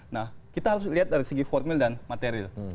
nah kita harus lihat dari segi formil dan material